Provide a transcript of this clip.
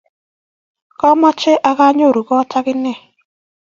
kamoche akonor koot akenge.